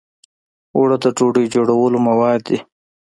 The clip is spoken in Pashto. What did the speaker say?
اوړه د ډوډۍ جوړولو مواد دي